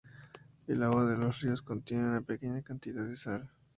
El agua de los ríos contiene una pequeña cantidad de sal.